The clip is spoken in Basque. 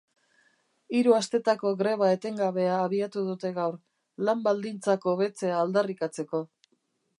Hiru astetako greba etengabea abiatu dute gaur, lan-baldintzak hobetzea aldarrikatzeko.